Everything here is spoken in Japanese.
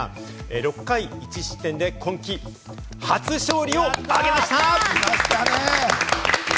６回１失点で今季初勝利を挙げました！